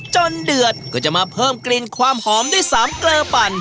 เดือดก็จะมาเพิ่มกลิ่นความหอมด้วยสามเกลือปั่น